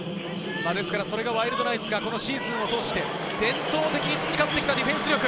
それがワイルドナイツがシーズンを通して伝統的に培ってきたディフェンス力。